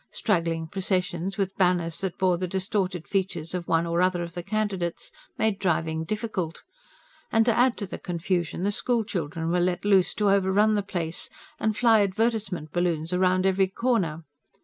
Straggling processions, with banners that bore the distorted features of one or other of the candidates, made driving difficult; and, to add to the confusion, the schoolchildren were let loose, to overrun the place and fly advertisement balloons round every corner.